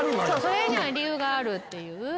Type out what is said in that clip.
それには理由があるっていう。